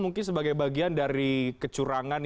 mungkin sebagai bagian dari kecurangan